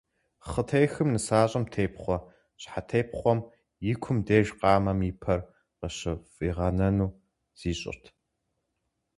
Хъытехым, нысащӀэм тепхъуа щхьэтепхъуэм и кум деж къамэм и пэр къыщыфӀигъэнэну зищӀырт.